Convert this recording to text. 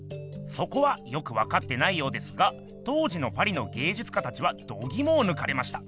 そこはよくわかってないようですが当時のパリの芸術家たちはどぎもをぬかれました。